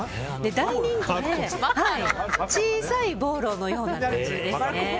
大人気で、小さいボーロのような感じですね。